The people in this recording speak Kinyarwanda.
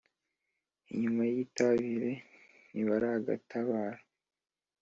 inyuma y'itabire ntibaragatabara.